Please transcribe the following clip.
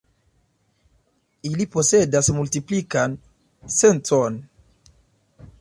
Ili posedas multiplikan sencon.